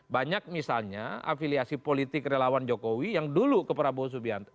banyak misalnya afiliasi politik relawan jokowi yang dulu ke prabowo subianto